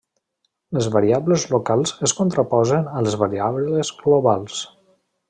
Les variables locals es contraposen a les variables globals.